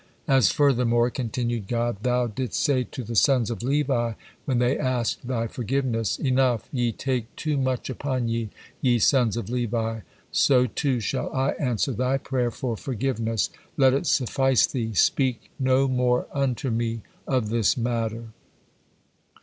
'" "As furthermore," continued God, "thou didst say to the sons of Levi when they asked thy forgiveness, 'Enough, ye take too much upon ye, ye sons of Levi,' so too shall I answer thy prayer for forgiveness, 'Let it suffice thee; speak no more unto Me of this matter.'"